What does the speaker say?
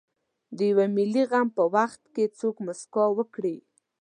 د یوه ملي غم په وخت دې څوک مسکا وکړي.